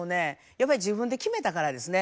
やっぱり自分で決めたからですね。